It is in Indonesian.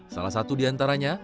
salah satu diantaranya